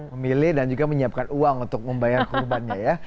memilih dan juga menyiapkan uang untuk membayar kurbannya ya